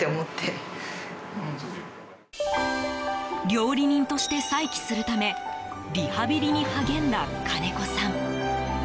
料理人として再起するためリハビリに励んだ金子さん。